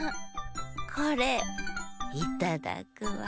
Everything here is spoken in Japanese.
これいただくわ。